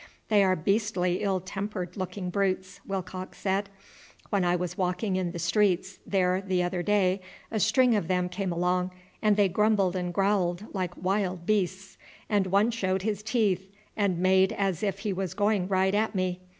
"They are beastly ill tempered looking brutes," Willcox said. "When I was walking in the streets there the other day a string of them came along, and they grumbled and growled like wild beasts, and one showed his teeth and made as if he was going right at me.